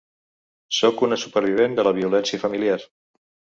Sóc una supervivent de la violència familiar.